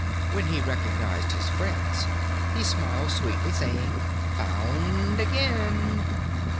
When he recognized his friends, he smiled sweetly, saying, "Found again!"